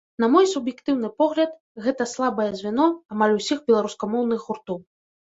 На мой суб'ектыўны погляд, гэта слабае звяно амаль усіх беларускамоўных гуртоў.